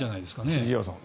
千々岩さん